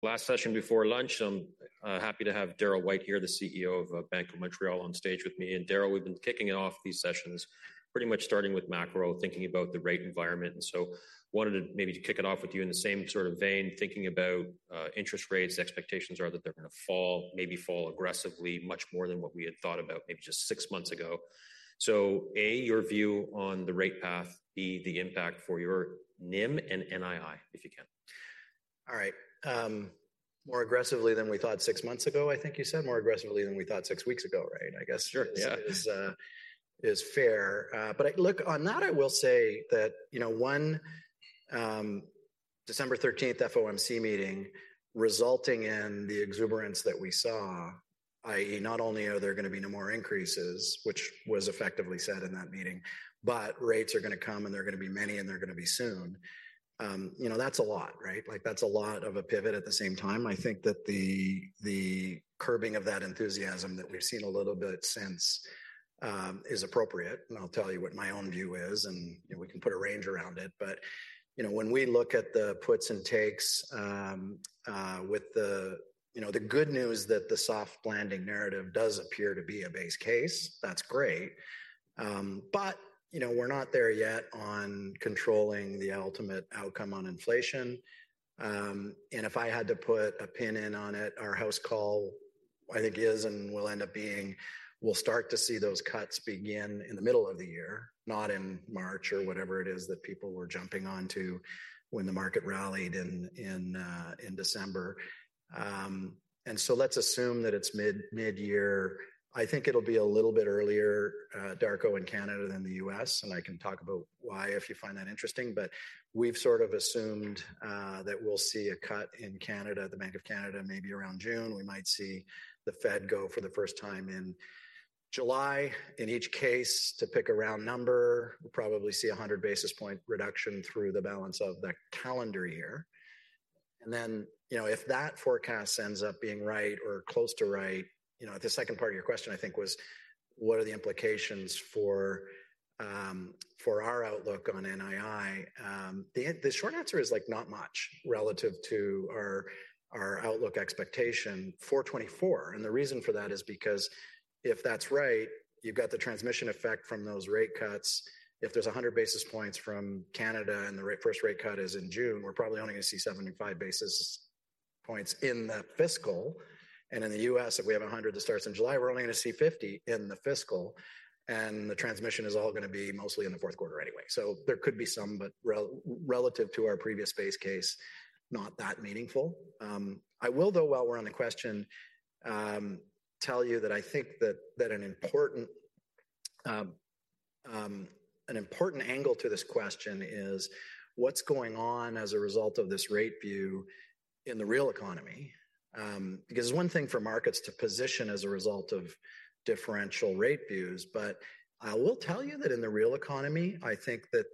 Last session before lunch, I'm happy to have Darryl White here, the CEO of Bank of Montreal, on stage with me. And Darryl, we've been kicking it off these sessions, pretty much starting with macro, thinking about the rate environment. And so wanted to maybe to kick it off with you in the same sort of vein, thinking about interest rates. Expectations are that they're gonna fall, maybe fall aggressively, much more than what we had thought about maybe just six months ago. So, A, your view on the rate path, B, the impact for your NIM and NII, if you can. All right. More aggressively than we thought six months ago, I think you said? More aggressively than we thought six weeks ago, right, I guess- Sure, yeah. is fair. But look, on that, I will say that, you know, one, December 13th FOMC meeting, resulting in the exuberance that we saw, i.e., not only are there gonna be no more increases, which was effectively said in that meeting, but rates are gonna come, and they're gonna be many, and they're gonna be soon. You know, that's a lot, right? Like, that's a lot of a pivot at the same time. I think that the, the curbing of that enthusiasm that we've seen a little bit since, is appropriate, and I'll tell you what my own view is, and, you know, we can put a range around it. But, you know, when we look at the puts and takes, you know, the good news that the soft landing narrative does appear to be a base case, that's great. But, you know, we're not there yet on controlling the ultimate outcome on inflation. And if I had to put a pin in on it, our house call, I think, is and will end up being, we'll start to see those cuts begin in the middle of the year, not in March or whatever it is that people were jumping onto when the market rallied in December. And so let's assume that it's midyear. I think it'll be a little bit earlier, Darko, in Canada than the U.S., and I can talk about why, if you find that interesting. But we've sort of assumed that we'll see a cut in Canada, the Bank of Canada, maybe around June. We might see the Fed go for the first time in July. In each case, to pick a round number, we'll probably see a 100 basis point reduction through the balance of the calendar year. And then, you know, if that forecast ends up being right or close to right... You know, the second part of your question, I think, was: What are the implications for our outlook on NII? The short answer is, like, not much relative to our outlook expectation for 2024. And the reason for that is because if that's right, you've got the transmission effect from those rate cuts. If there's 100 basis points from Canada, and the rate, first rate cut is in June, we're probably only gonna see 75 basis points in that fiscal. And in the US, if we have 100 that starts in July, we're only gonna see 50 in the fiscal, and the transmission is all gonna be mostly in the fourth quarter anyway. So there could be some, but relative to our previous base case, not that meaningful. I will, though, while we're on the question, tell you that I think that an important angle to this question is: What's going on as a result of this rate view in the real economy? Because it's one thing for markets to position as a result of differential rate views, but I will tell you that in the real economy, I think that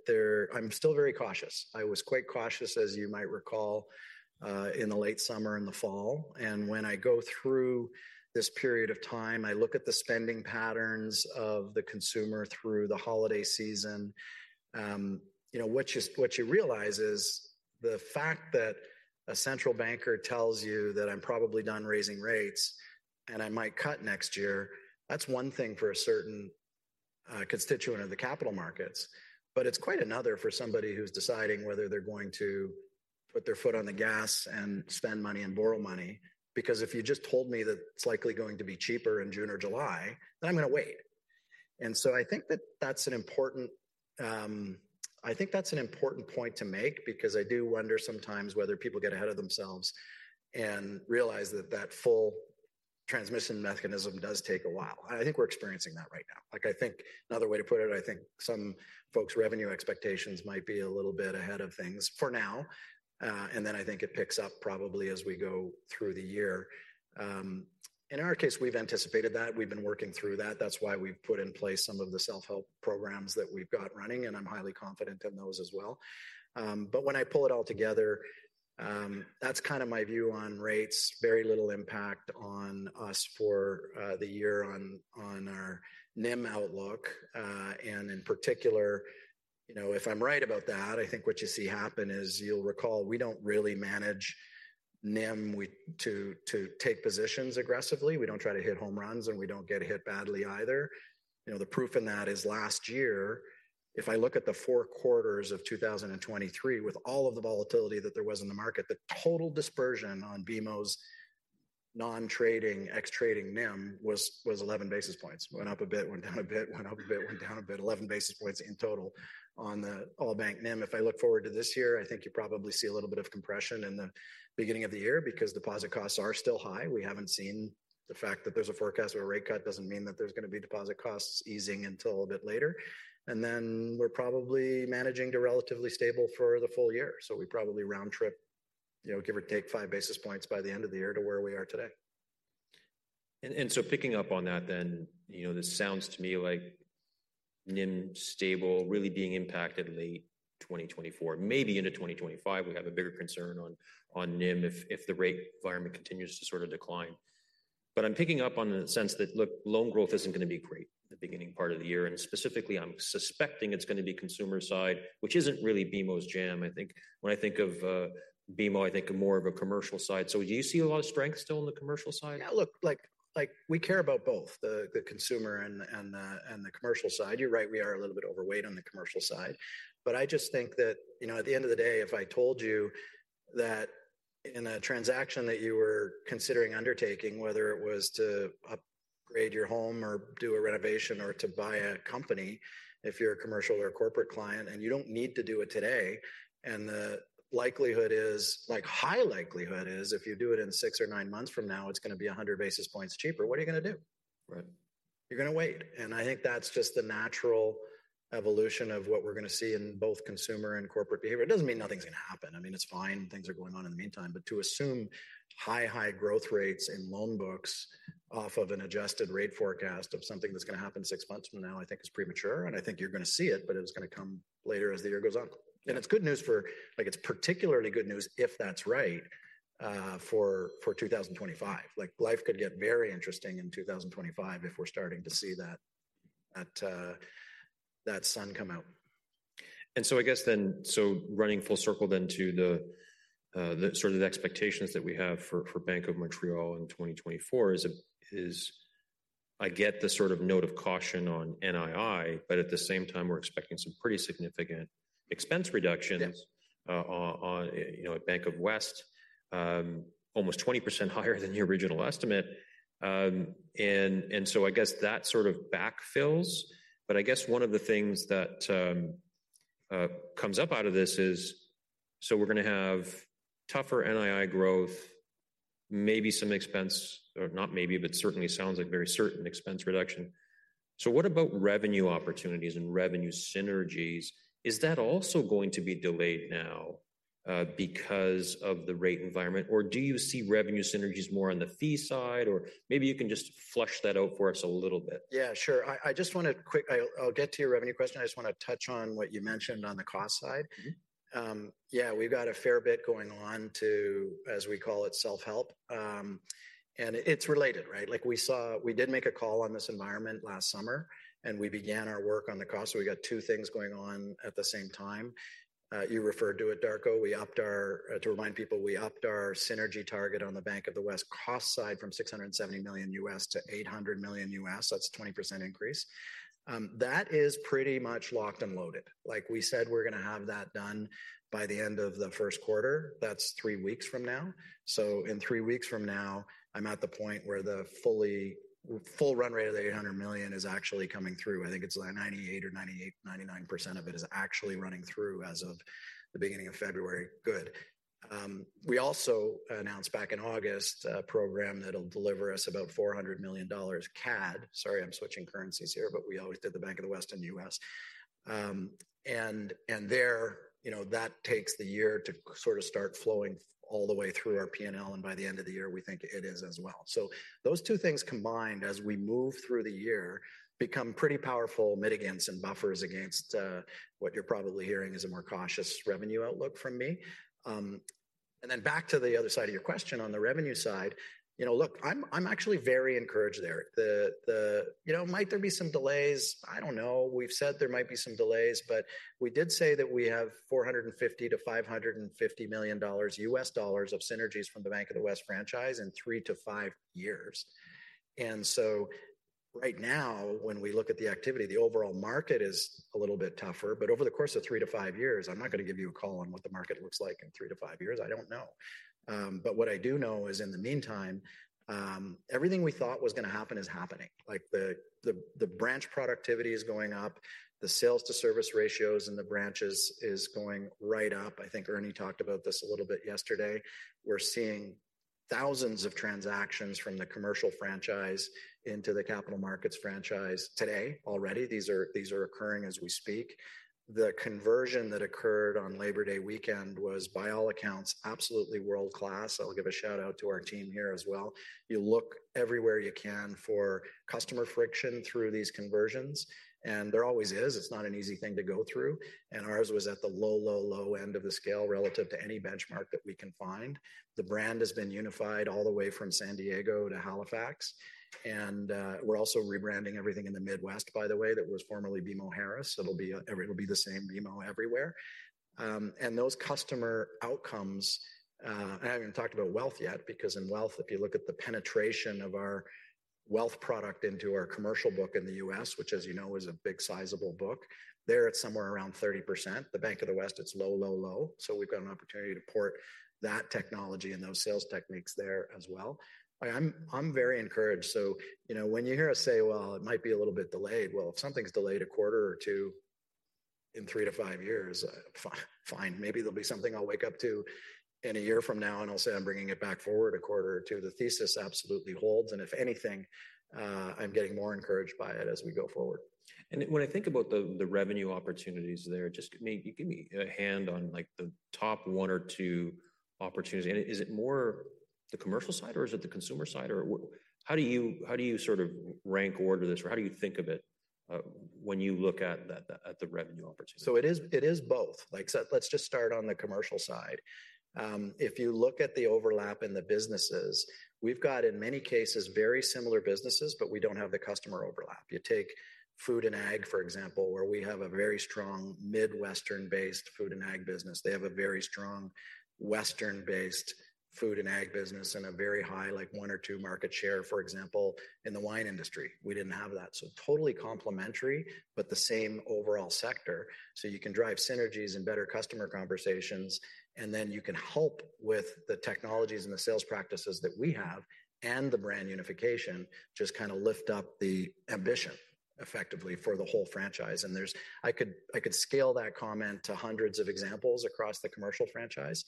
I'm still very cautious. I was quite cautious, as you might recall, in the late summer and the fall. And when I go through this period of time, I look at the spending patterns of the consumer through the holiday season. You know, what you, what you realize is the fact that a central banker tells you that, "I'm probably done raising rates, and I might cut next year," that's one thing for a certain constituent of the capital markets. But it's quite another for somebody who's deciding whether they're going to put their foot on the gas and spend money and borrow money, because if you just told me that it's likely going to be cheaper in June or July, then I'm gonna wait. And so I think that that's an important point to make because I do wonder sometimes whether people get ahead of themselves and realize that that full transmission mechanism does take a while. I think we're experiencing that right now. Like, I think another way to put it, I think some folks' revenue expectations might be a little bit ahead of things for now, and then I think it picks up probably as we go through the year. In our case, we've anticipated that. We've been working through that. That's why we've put in place some of the self-help programs that we've got running, and I'm highly confident in those as well. But when I pull it all together, that's kind of my view on rates. Very little impact on us for the year on our NIM outlook. And in particular, you know, if I'm right about that, I think what you see happen is, you'll recall, we don't really manage NIM to take positions aggressively. We don't try to hit home runs, and we don't get hit badly either. You know, the proof in that is last year, if I look at the four quarters of 2023, with all of the volatility that there was in the market, the total dispersion on BMO's non-trading, ex-trading NIM was eleven basis points. Went up a bit, went down a bit, went up a bit, went down a bit, 11 basis points in total on the all-bank NIM. If I look forward to this year, I think you probably see a little bit of compression in the beginning of the year because deposit costs are still high. We haven't seen the fact that there's a forecast or a rate cut doesn't mean that there's gonna be deposit costs easing until a bit later. And then we're probably managing to relatively stable for the full year. So we probably round trip, you know, give or take 5 basis points by the end of the year to where we are today. Picking up on that then, you know, this sounds to me like NIM stable, really being impacted in late 2024, maybe into 2025. We have a bigger concern on NIM if the rate environment continues to sort of decline. But I'm picking up on the sense that, look, loan growth isn't gonna be great the beginning part of the year, and specifically, I'm suspecting it's gonna be consumer side, which isn't really BMO's jam, I think. When I think of BMO, I think of more of a commercial side. So do you see a lot of strength still on the commercial side? Yeah, look, like, we care about both the consumer and the commercial side. You're right, we are a little bit overweight on the commercial side, but I just think that, you know, at the end of the day, if I told you that in a transaction that you were considering undertaking, whether it was to upgrade your home, or do a renovation, or to buy a company, if you're a commercial or a corporate client, and you don't need to do it today, and the likelihood is, like, high likelihood is, if you do it in six or nine months from now, it's gonna be 100 basis points cheaper, what are you gonna do? Right. You're gonna wait, and I think that's just the natural evolution of what we're gonna see in both consumer and corporate behavior. It doesn't mean nothing's gonna happen. I mean, it's fine, things are going on in the meantime, but to assume high, high growth rates in loan books off of an adjusted rate forecast of something that's gonna happen six months from now, I think is premature, and I think you're gonna see it, but it's gonna come later as the year goes on. And it's good news for—like, it's particularly good news, if that's right, for 2025. Like, life could get very interesting in 2025 if we're starting to see that, that, that sun come out. So I guess then, so running full circle then to the sort of expectations that we have for Bank of Montreal in 2024 is—I get the sort of note of caution on NII, but at the same time, we're expecting some pretty significant expense reductions- Yes... on, on, you know, at Bank of the West, almost 20% higher than your original estimate. And, and so I guess that sort of backfills, but I guess one of the things that comes up out of this is, so we're gonna have tougher NII growth, maybe some expense, or not maybe, but certainly sounds like very certain expense reduction. So what about revenue opportunities and revenue synergies? Is that also going to be delayed now, because of the rate environment, or do you see revenue synergies more on the fee side? Or maybe you can just flesh that out for us a little bit. Yeah, sure. I'll get to your revenue question. I just wanna touch on what you mentioned on the cost side. Yeah, we've got a fair bit going on to, as we call it, self-help. It's related, right? Like we saw, we did make a call on this environment last summer, and we began our work on the cost, so we got two things going on at the same time. You referred to it, Darko. We upped our, to remind people, we upped our synergy target on the Bank of the West cost side from $670 million to $800 million. That's a 20% increase. That is pretty much locked and loaded. Like we said, we're gonna have that done by the end of the first quarter. That's three weeks from now. So in three weeks from now, I'm at the point where the full run rate of the $800 million is actually coming through. I think it's like 98 or 99% of it is actually running through as of the beginning of February. Good. We also announced back in August, a program that'll deliver us about 400 million CAD. Sorry, I'm switching currencies here, but we always did the Bank of the West in the U.S. And there, you know, that takes the year to sort of start flowing all the way through our PNL, and by the end of the year, we think it is as well. So those two things combined, as we move through the year, become pretty powerful mitigants and buffers against what you're probably hearing is a more cautious revenue outlook from me. And then back to the other side of your question, on the revenue side, you know, look, I'm actually very encouraged there. You know, might there be some delays? I don't know. We've said there might be some delays, but we did say that we have $450 million-$550 million of synergies from the Bank of the West franchise in three to five years. And so right now, when we look at the activity, the overall market is a little bit tougher, but over the course of three to five years, I'm not gonna give you a call on what the market looks like in three to five years. I don't know. But what I do know is in the meantime, everything we thought was gonna happen is happening. Like, the branch productivity is going up, the sales to service ratios in the branches is going right up. I think Ernie talked about this a little bit yesterday. We're seeing thousands of transactions from the commercial franchise into the capital markets franchise today already. These are occurring as we speak. The conversion that occurred on Labor Day weekend was, by all accounts, absolutely world-class. I'll give a shout-out to our team here as well. You look everywhere you can for customer friction through these conversions, and there always is. It's not an easy thing to go through, and ours was at the low, low, low end of the scale relative to any benchmark that we can find. The brand has been unified all the way from San Diego to Halifax, and we're also rebranding everything in the Midwest, by the way, that was formerly BMO Harris. It'll be the same BMO everywhere. And those customer outcomes, I haven't even talked about wealth yet, because in wealth, if you look at the penetration of our wealth product into our commercial book in the U.S., which, as you know, is a big, sizable book, they're at somewhere around 30%. The Bank of the West, it's low, low, low, so we've got an opportunity to port that technology and those sales techniques there as well. I'm very encouraged. So, you know, when you hear us say, "Well, it might be a little bit delayed," well, if something's delayed a quarter or two in three to five years, fine. Maybe there'll be something I'll wake up to in a year from now, and I'll say I'm bringing it back forward a quarter or two. The thesis absolutely holds, and if anything, I'm getting more encouraged by it as we go forward. And when I think about the revenue opportunities there, just give me a hand on, like, the top one or two opportunities. And is it more the commercial side or is it the consumer side or what—how do you sort of rank order this, or how do you think of it? When you look at the revenue opportunity? So it is, it is both. Like, so let's just start on the commercial side. If you look at the overlap in the businesses, we've got, in many cases, very similar businesses, but we don't have the customer overlap. You take food and ag, for example, where we have a very strong Midwestern-based food and ag business. They have a very strong Western-based food and ag business, and a very high, like, one or two market share, for example, in the wine industry. We didn't have that. So totally complementary, but the same overall sector, so you can drive synergies and better customer conversations, and then you can help with the technologies and the sales practices that we have, and the brand unification just kind of lift up the ambition effectively for the whole franchise. There's I could scale that comment to hundreds of examples across the commercial franchise.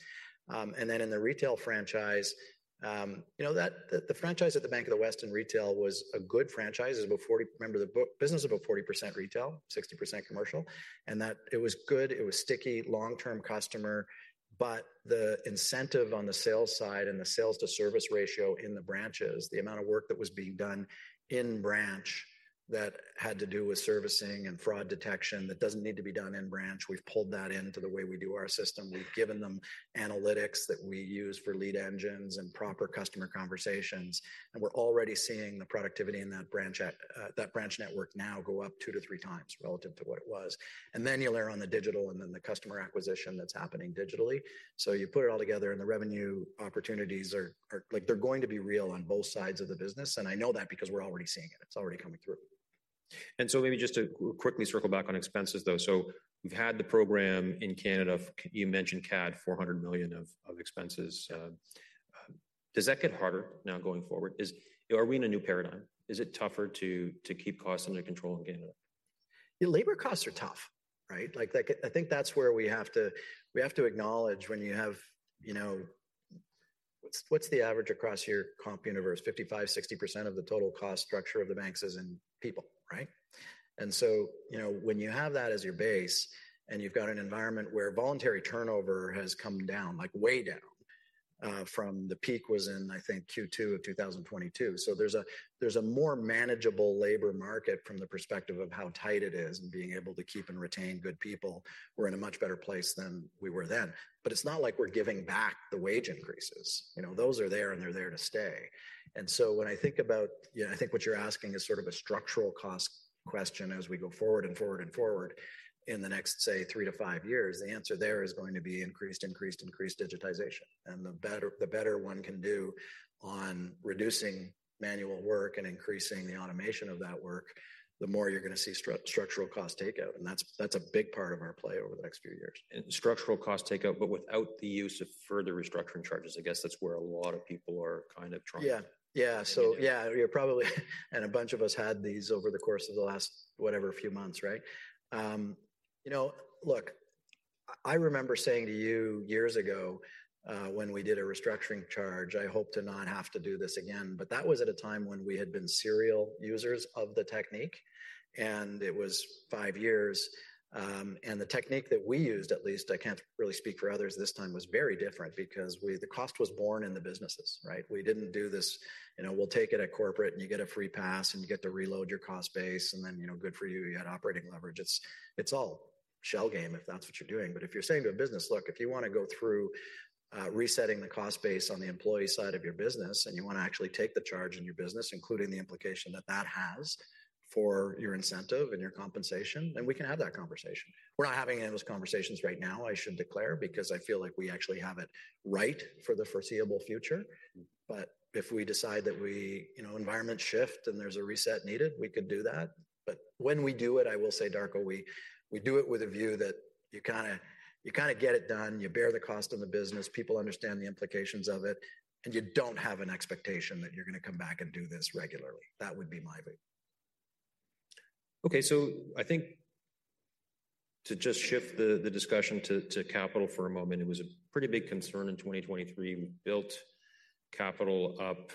And then in the retail franchise, you know, that, the franchise at the Bank of the West in retail was a good franchise. It was about 40%. Remember, the business was about 40% retail, 60% commercial, and that it was good, it was sticky, long-term customer, but the incentive on the sales side and the sales-to-service ratio in the branches, the amount of work that was being done in branch that had to do with servicing and fraud detection, that doesn't need to be done in branch. We've pulled that into the way we do our system. We've given them analytics that we use for lead engines and proper customer conversations, and we're already seeing the productivity in that branch at that branch network now go up 2-3 times relative to what it was. And then you layer on the digital and then the customer acquisition that's happening digitally. So you put it all together, and the revenue opportunities are... like, they're going to be real on both sides of the business, and I know that because we're already seeing it. It's already coming through. Maybe just to quickly circle back on expenses, though. So we've had the program in Canada, you mentioned CAD 400 million of expenses. Does that get harder now going forward? Is... Are we in a new paradigm? Is it tougher to keep costs under control in Canada? Yeah, labor costs are tough, right? Like, I think that's where we have to, we have to acknowledge when you have, you know... What's the average across your comp universe? 55-60% of the total cost structure of the banks is in people, right? And so, you know, when you have that as your base, and you've got an environment where voluntary turnover has come down, like, way down, from the peak was in, I think, Q2 of 2022. So there's a more manageable labor market from the perspective of how tight it is and being able to keep and retain good people. We're in a much better place than we were then. But it's not like we're giving back the wage increases. You know, those are there, and they're there to stay. And so when I think about... Yeah, I think what you're asking is sort of a structural cost question as we go forward in the next, say, three to five years. The answer there is going to be increased digitization. And the better, the better one can do on reducing manual work and increasing the automation of that work, the more you're gonna see structural cost takeout, and that's a big part of our play over the next few years. Structural cost takeout, but without the use of further restructuring charges. I guess that's where a lot of people are kind of trying- Yeah. Yeah, so yeah, you're probably, and a bunch of us had these over the course of the last, whatever, few months, right? You know, look, I remember saying to you years ago, when we did a restructuring charge, "I hope to not have to do this again." But that was at a time when we had been serial users of the technique, and it was five years. And the technique that we used, at least, I can't really speak for others this time, was very different because we, the cost was born in the businesses, right? We didn't do this, you know, we'll take it at corporate, and you get a free pass, and you get to reload your cost base, and then, you know, good for you, you had operating leverage. It's all shell game if that's what you're doing. But if you're saying to a business, "Look, if you wanna go through, resetting the cost base on the employee side of your business, and you wanna actually take the charge in your business, including the implication that that has for your incentive and your compensation, then we can have that conversation." We're not having any of those conversations right now, I should declare, because I feel like we actually have it right for the foreseeable future. But if we decide that we... You know, environments shift, and there's a reset needed, we could do that. But when we do it, I will say, Darko, we, we do it with a view that you kinda, you kinda get it done, you bear the cost of the business, people understand the implications of it, and you don't have an expectation that you're gonna come back and do this regularly. That would be my view. Okay, so I think to just shift the discussion to capital for a moment, it was a pretty big concern in 2023. We built capital up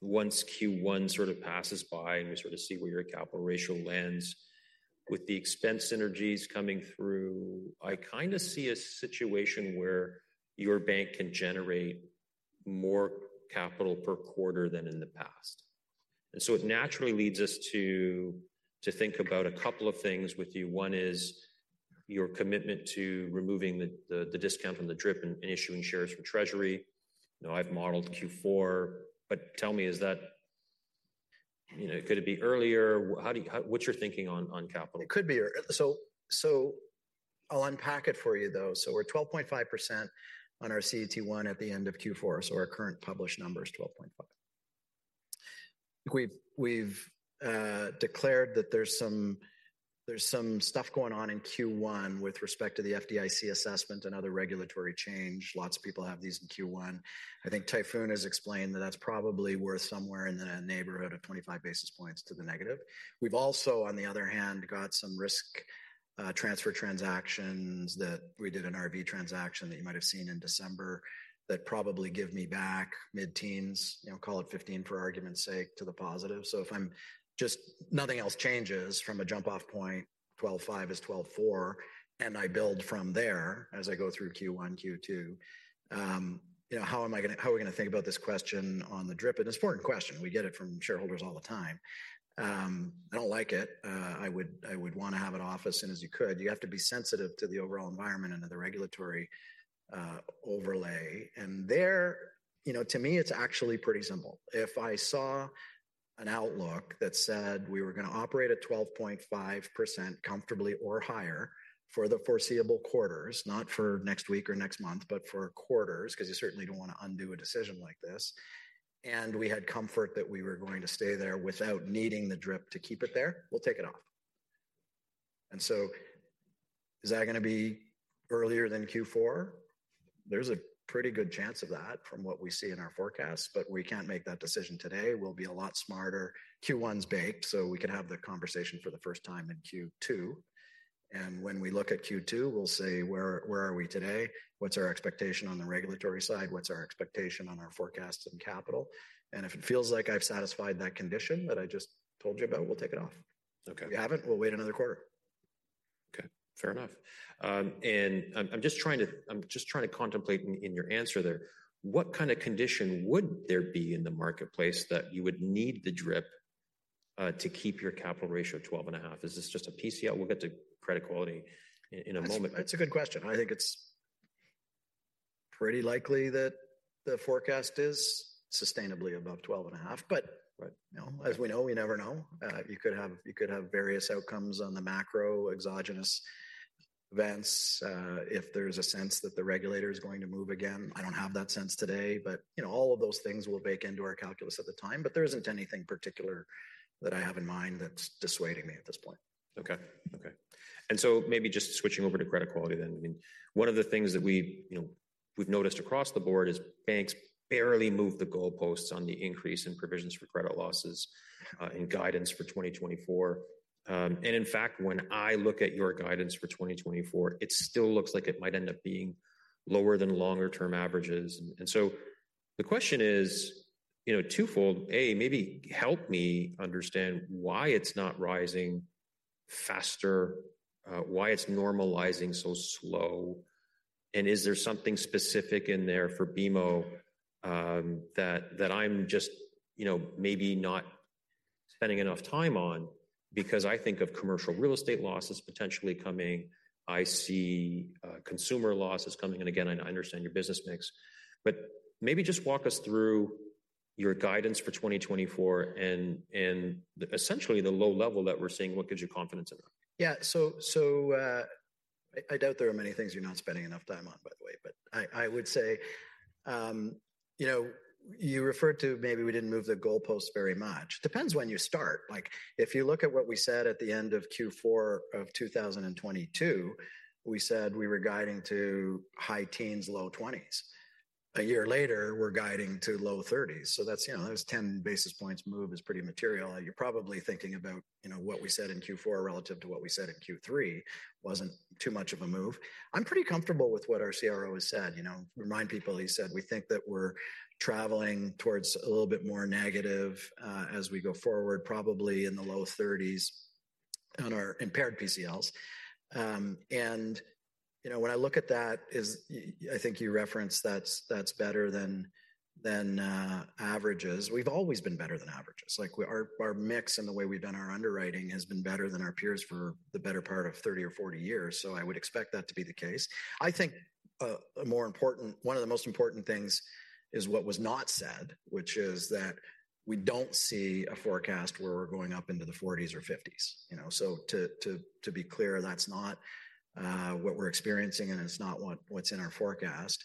once Q1 sort of passes by, and we sort of see where your capital ratio lands. With the expense synergies coming through, I kind of see a situation where your bank can generate more capital per quarter than in the past. And so it naturally leads us to think about a couple of things with you. One is your commitment to removing the discount from the DRIP and issuing shares from Treasury. You know, I've modeled Q4, but tell me, is that... You know, could it be earlier? How do you- how- what's your thinking on capital? So, I'll unpack it for you, though. So we're 12.5% on our CET1 at the end of Q4, so our current published number is 12.5. We've declared that there's some stuff going on in Q1 with respect to the FDIC assessment and other regulatory change. Lots of people have these in Q1. I think Tayfun has explained that that's probably worth somewhere in the neighborhood of 25 basis points to the negative. We've also, on the other hand, got some risk transfer transactions that we did an RV transaction that you might have seen in December, that probably give me back mid-teens, you know, call it 15 for argument's sake, to the positive. So if nothing else changes from a jump-off point, 12.5 is 12.4, and I build from there as I go through Q1, Q2, you know, how are we gonna think about this question on the DRIP? And it's an important question. We get it from shareholders all the time. I don't like it. I would wanna have it off as soon as you could. You have to be sensitive to the overall environment and to the regulatory overlay. And there, you know, to me, it's actually pretty simple. If I saw an outlook that said we were going to operate at 12.5% comfortably or higher for the foreseeable quarters, not for next week or next month, but for quarters, because you certainly don't want to undo a decision like this. We had comfort that we were going to stay there without needing the DRIP to keep it there, we'll take it off. And so is that gonna be earlier than Q4? There's a pretty good chance of that from what we see in our forecast, but we can't make that decision today. We'll be a lot smarter. Q1's baked, so we can have the conversation for the first time in Q2, and when we look at Q2, we'll say, "Where, where are we today? What's our expectation on the regulatory side? What's our expectation on our forecast and capital?" And if it feels like I've satisfied that condition that I just told you about, we'll take it off. Okay. If we haven't, we'll wait another quarter. Okay, fair enough. And I'm just trying to contemplate in your answer there, what kind of condition would there be in the marketplace that you would need the DRIP to keep your capital ratio 12.5? Is this just a PCL? We'll get to credit quality in a moment. That's, that's a good question. I think it's pretty likely that the forecast is sustainably above 12.5, but- Right... you know, as we know, we never know. You could have, you could have various outcomes on the macro exogenous events, if there's a sense that the regulator is going to move again. I don't have that sense today, but, you know, all of those things will bake into our calculus at the time, but there isn't anything particular that I have in mind that's dissuading me at this point. Okay. Okay. And so maybe just switching over to credit quality then. I mean, one of the things that we, you know, we've noticed across the board is banks barely moved the goalposts on the increase in provisions for credit losses, and guidance for 2024. And in fact, when I look at your guidance for 2024, it still looks like it might end up being lower than longer-term averages. And so the question is, you know, twofold: A, maybe help me understand why it's not rising faster, why it's normalizing so slow, and is there something specific in there for BMO, that, that I'm just, you know, maybe not spending enough time on? Because I think of commercial real estate losses potentially coming. I see, consumer losses coming in again, and I understand your business mix. But maybe just walk us through your guidance for 2024 and, and essentially the low level that we're seeing, what gives you confidence in that? Yeah. So, I doubt there are many things you're not spending enough time on, by the way. But I would say, you know, you referred to maybe we didn't move the goalpost very much. Depends when you start. Like, if you look at what we said at the end of Q4 of 2022, we said we were guiding to high teens, low 20s. A year later, we're guiding to low 30s, so that's, you know, there's 10 basis points move is pretty material. You're probably thinking about, you know, what we said in Q4 relative to what we said in Q3 wasn't too much of a move. I'm pretty comfortable with what our CRO has said. You know, remind people, he said, "We think that we're traveling towards a little bit more negative, as we go forward, probably in the low 30s on our impaired PCLs." And, you know, when I look at that, I think you referenced that's better than averages. We've always been better than averages. Like, our mix and the way we've done our underwriting has been better than our peers for the better part of 30 or 40 years, so I would expect that to be the case. I think a more important one of the most important things is what was not said, which is that we don't see a forecast where we're going up into the 40s or 50s, you know? So to be clear, that's not what we're experiencing, and it's not what's in our forecast.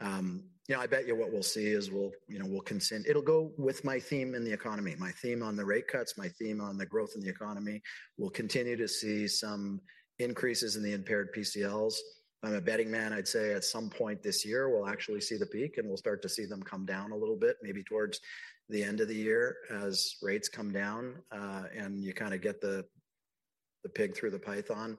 You know, I bet you what we'll see is we'll, you know, we'll consent-- It'll go with my theme in the economy, my theme on the rate cuts, my theme on the growth in the economy. We'll continue to see some increases in the impaired PCLs. If I'm a betting man, I'd say at some point this year, we'll actually see the peak, and we'll start to see them come down a little bit, maybe towards the end of the year as rates come down, and you kinda get the pig through the python.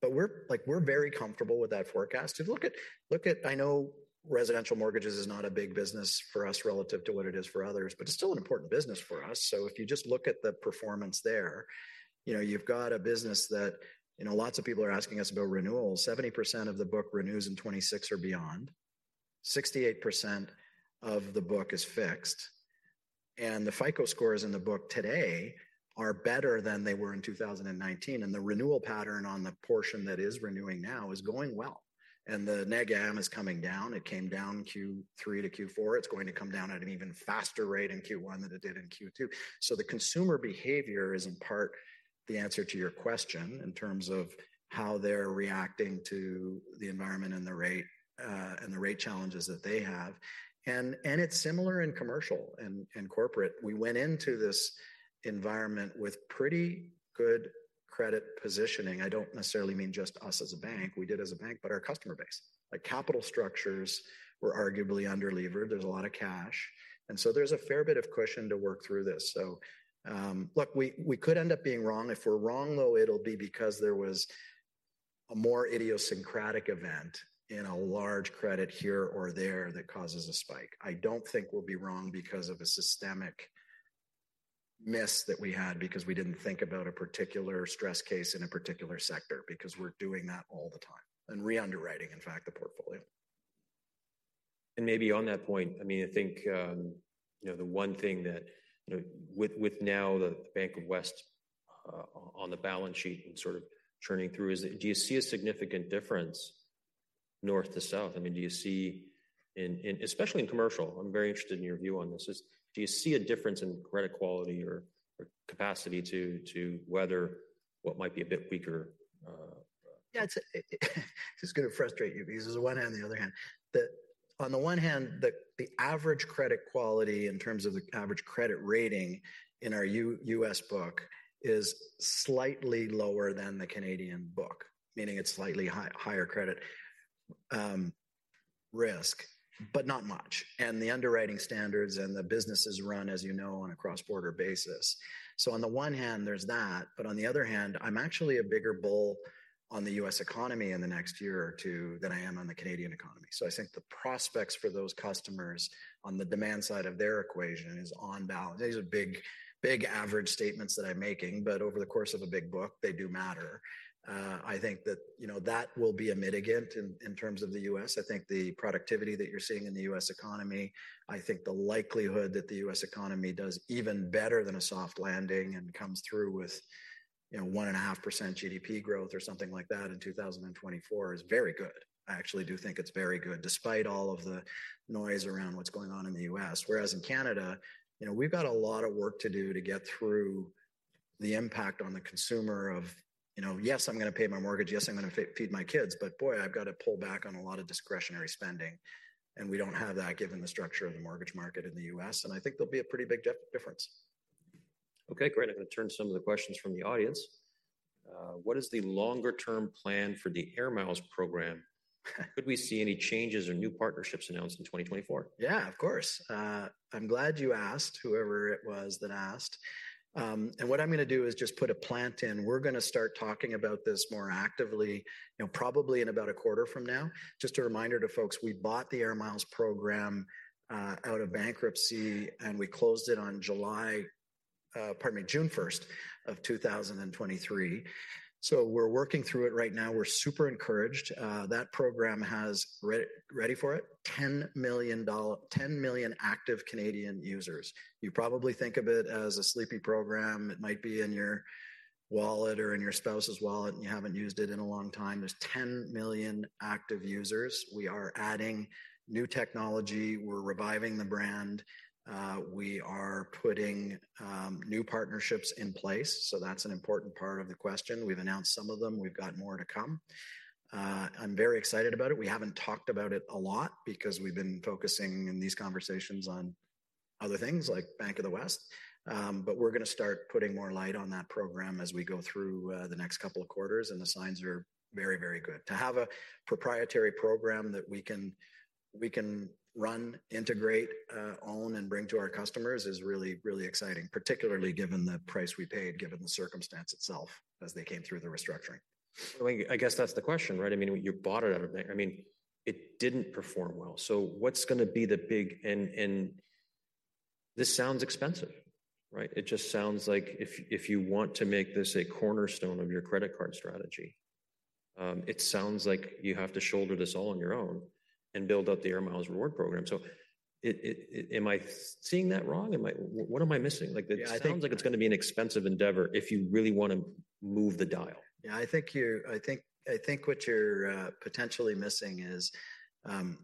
But we're, like, we're very comfortable with that forecast. If you look at, look at-- I know residential mortgages is not a big business for us relative to what it is for others, but it's still an important business for us. So if you just look at the performance there, you know, you've got a business that, you know, lots of people are asking us about renewals. 70% of the book renews in 2026 or beyond, 68% of the book is fixed, and the FICO scores in the book today are better than they were in 2019, and the renewal pattern on the portion that is renewing now is going well. And the neg am is coming down. It came down Q3 to Q4. It's going to come down at an even faster rate in Q1 than it did in Q2. So the consumer behavior is, in part, the answer to your question in terms of how they're reacting to the environment and the rate, and the rate challenges that they have. And, and it's similar in commercial and, and corporate. We went into this environment with pretty good credit positioning. I don't necessarily mean just us as a bank. We did as a bank, but our customer base. Like, capital structures were arguably underlevered. There's a lot of cash, and so there's a fair bit of cushion to work through this. So, look, we could end up being wrong. If we're wrong, though, it'll be because there was a more idiosyncratic event in a large credit here or there that causes a spike. I don't think we'll be wrong because of a systemic miss that we had, because we didn't think about a particular stress case in a particular sector, because we're doing that all the time and re-underwriting, in fact, the portfolio. And maybe on that point, I mean, I think, you know, the one thing that, you know, with, with now the Bank of the West, on the balance sheet and sort of churning through, is, do you see a significant difference north to south? I mean, do you see in, in, especially in commercial, I'm very interested in your view on this, is do you see a difference in credit quality or, or capacity to, to weather what might be a bit weaker, Yeah, this is gonna frustrate you because there's one hand and the other hand. On the one hand, the average credit quality in terms of the average credit rating in our U.S. book is slightly lower than the Canadian book, meaning it's slightly higher credit risk, but not much. And the underwriting standards and the businesses run, as you know, on a cross-border basis. So on the one hand, there's that, but on the other hand, I'm actually a bigger bull on the U.S. economy in the next year or two than I am on the Canadian economy. So I think the prospects for those customers on the demand side of their equation is on balance. These are big, big average statements that I'm making, but over the course of a big book, they do matter. I think that, you know, that will be a mitigant in terms of the U.S. I think the productivity that you're seeing in the U.S. economy, I think the likelihood that the U.S. economy does even better than a soft landing and comes through with, you know, 1.5% GDP growth or something like that in 2024 is very good. I actually do think it's very good, despite all of the noise around what's going on in the U.S. Whereas in Canada, you know, we've got a lot of work to do to get through the impact on the consumer of, you know, "Yes, I'm gonna pay my mortgage. Yes, I'm gonna feed my kids, but boy, I've got to pull back on a lot of discretionary spending," and we don't have that given the structure of the mortgage market in the U.S., and I think there'll be a pretty big difference. Okay, great. I'm gonna turn some of the questions from the audience. "What is the longer-term plan for the AIR MILES program? Could we see any changes or new partnerships announced in 2024? Yeah, of course. I'm glad you asked, whoever it was that asked. What I'm gonna do is just put a plant in. We're gonna start talking about this more actively, you know, probably in about a quarter from now. Just a reminder to folks, we bought the AIR MILES program out of bankruptcy, and we closed it on June 1, 2023. So we're working through it right now. We're super encouraged. That program has, ready for it, 10 million active Canadian users. You probably think of it as a sleepy program. It might be in your wallet or in your spouse's wallet, and you haven't used it in a long time. There's 10 million active users. We are adding new technology. We're reviving the brand. We are putting new partnerships in place, so that's an important part of the question. We've announced some of them. We've got more to come. I'm very excited about it. We haven't talked about it a lot because we've been focusing in these conversations on other things, like Bank of the West. But we're gonna start putting more light on that program as we go through the next couple of quarters, and the signs are very, very good. To have a proprietary program that we can run, integrate, own, and bring to our customers is really, really exciting, particularly given the price we paid, given the circumstance itself as they came through the restructuring. Well, I guess that's the question, right? I mean, you bought it out of there. I mean, it didn't perform well, so what's gonna be the big... And this sounds expensive, right? It just sounds like if you want to make this a cornerstone of your credit card strategy, it sounds like you have to shoulder this all on your own and build out the AIR MILES reward program. So it, am I seeing that wrong? Am I- what am I missing? Like- Yeah, I think-... it sounds like it's gonna be an expensive endeavor if you really wanna move the dial. Yeah, I think what you're potentially missing is,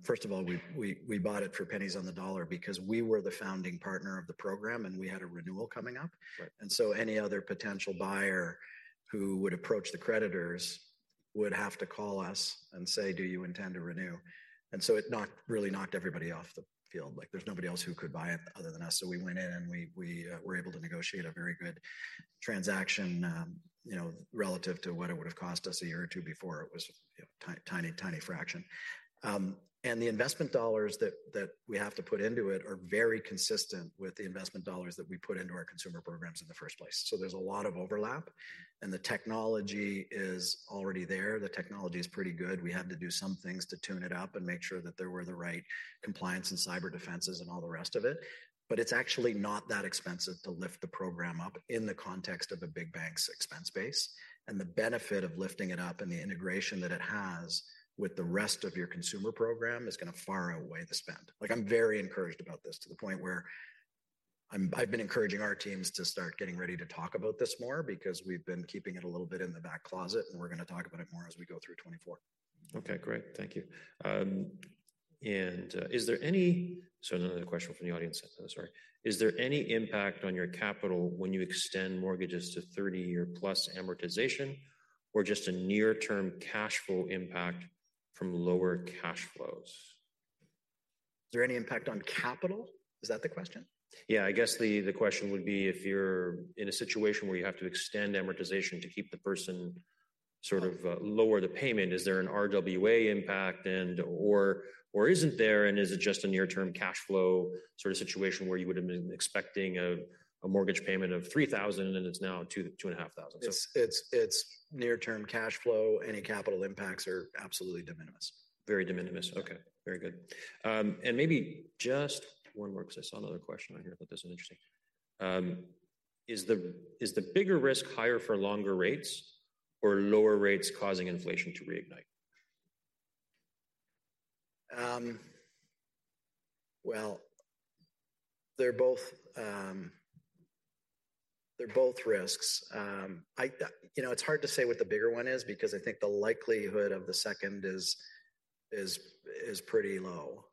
first of all, we bought it for pennies on the dollar because we were the founding partner of the program, and we had a renewal coming up. Right. Any other potential buyer who would approach the creditors would have to call us and say: Do you intend to renew? And so it really knocked everybody off the field. Like, there's nobody else who could buy it other than us. So we went in, and we were able to negotiate a very good transaction, you know, relative to what it would've cost us a year or two before. It was, you know, tiny, tiny fraction. And the investment dollars that we have to put into it are very consistent with the investment dollars that we put into our consumer programs in the first place. So there's a lot of overlap, and the technology is already there. The technology is pretty good. We had to do some things to tune it up and make sure that there were the right compliance and cyber defenses and all the rest of it, but it's actually not that expensive to lift the program up in the context of a big bank's expense base. The benefit of lifting it up and the integration that it has with the rest of your consumer program is gonna far outweigh the spend. Like, I'm very encouraged about this, to the point where I'm. I've been encouraging our teams to start getting ready to talk about this more because we've been keeping it a little bit in the back closet, and we're gonna talk about it more as we go through 2024. Okay, great. Thank you. Is there any... Another question from the audience, sorry: "Is there any impact on your capital when you extend mortgages to 30-year-plus amortization, or just a near-term cash flow impact from lower cash flows? Is there any impact on capital? Is that the question? Yeah, I guess the question would be, if you're in a situation where you have to extend amortization to keep the person sort of lower the payment, is there an RWA impact and, or, or isn't there? And is it just a near-term cash flow sort of situation, where you would've been expecting a mortgage payment of 3,000, and it's now 2,000-2,500? So- It's near-term cash flow. Any capital impacts are absolutely de minimis. Very de minimis? Yeah. Okay, very good. Maybe just one more, because I saw another question on here, but this is interesting. Is the, is the bigger risk higher for longer rates or lower rates causing inflation to reignite? Well, they're both risks. You know, it's hard to say what the bigger one is because I think the likelihood of the second is pretty low.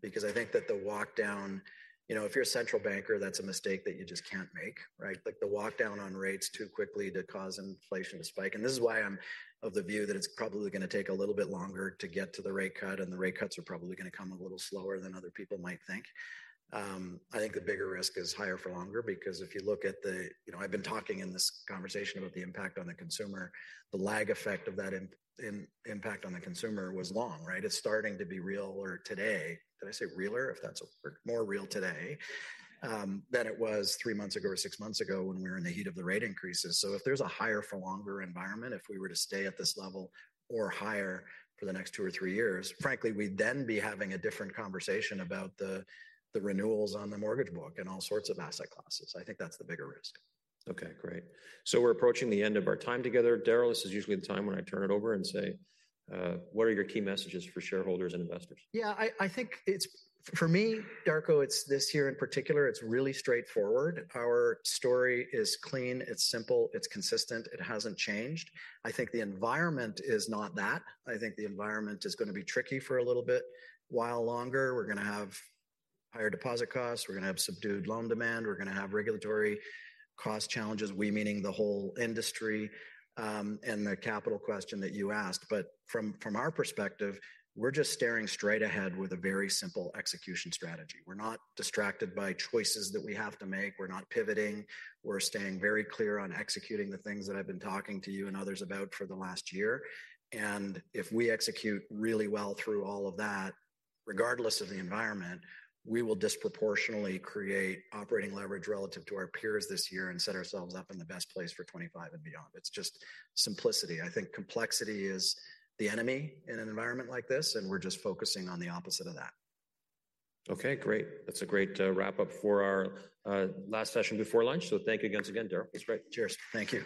Because I think that the walk down, you know, if you're a central banker, that's a mistake that you just can't make, right? Like, the walk down on rates too quickly to cause inflation to spike. And this is why I'm of the view that it's probably gonna take a little bit longer to get to the rate cut, and the rate cuts are probably gonna come a little slower than other people might think. I think the bigger risk is higher for longer, because if you look at the, you know, I've been talking in this conversation about the impact on the consumer. The lag effect of that impact on the consumer was long, right? It's starting to be realer today. Did I say realer? If that's a word. More real today than it was three months ago or six months ago when we were in the heat of the rate increases. So if there's a higher for longer environment, if we were to stay at this level or higher for the next two or three years, frankly, we'd then be having a different conversation about the renewals on the mortgage book and all sorts of asset classes. I think that's the bigger risk. Okay, great. So we're approaching the end of our time together. Darryl, this is usually the time when I turn it over and say, "What are your key messages for shareholders and investors? Yeah, I, I think it's for me, Darko, it's this year in particular, it's really straightforward. Our story is clean, it's simple, it's consistent, it hasn't changed. I think the environment is not that. I think the environment is gonna be tricky for a little bit while longer. We're gonna have higher deposit costs, we're gonna have subdued loan demand, we're gonna have regulatory cost challenges, we meaning the whole industry, and the capital question that you asked. But from, from our perspective, we're just staring straight ahead with a very simple execution strategy. We're not distracted by choices that we have to make. We're not pivoting. We're staying very clear on executing the things that I've been talking to you and others about for the last year. If we execute really well through all of that, regardless of the environment, we will disproportionately create operating leverage relative to our peers this year and set ourselves up in the best place for 25 and beyond. It's just simplicity. I think complexity is the enemy in an environment like this, and we're just focusing on the opposite of that. Okay, great. That's a great wrap-up for our last session before lunch, so thank you once again, Darryl. It's great. Cheers. Thank you.